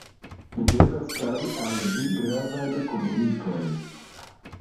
Mi devas fari al vi gravajn komunikojn.